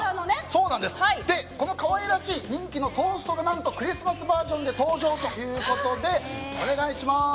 この可愛らしい人気のトーストが何とクリスマスバージョンで登場ということでお願いします。